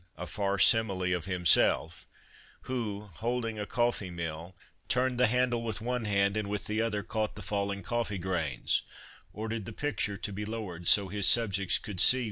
a far simile of himself, who, holding a coffee mill, turned the handle with one hand and with the other caught the falling coffee grains, ordered the picture to be lowered so his subjects could see.